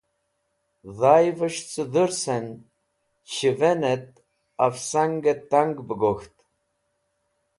Dhayvẽs̃h cẽ dhursẽn, shẽvẽnẽt afsangtang, bẽ gok̃ht.